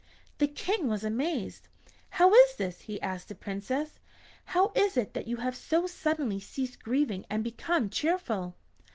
The King was amazed. "How is this?" he asked the Princess. "How is it that you have so suddenly ceased grieving and become cheerful?"